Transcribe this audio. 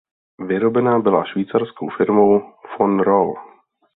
Vyrobena byla švýcarskou firmou Von Roll.